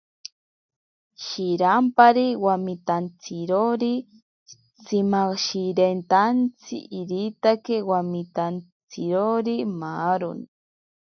Shirampari wamitantsirori tsimashiritantsi, iritaki wamitantsirori maaroni.